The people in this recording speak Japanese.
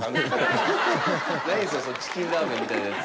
ないんですよチキンラーメンみたいなやつ。